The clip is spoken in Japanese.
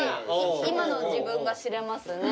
今の自分が知れますね。